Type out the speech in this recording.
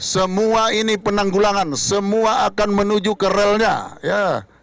semua ini penanggulangan semua akan menuju ke relnya ya